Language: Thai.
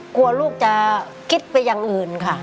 กลัวลูกจะคิดไปอย่างอื่นค่ะ